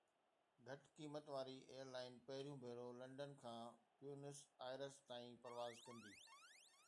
گھٽ قيمت واري ايئر لائن پهريون ڀيرو لنڊن کان بيونس آئرس تائين پرواز ڪندي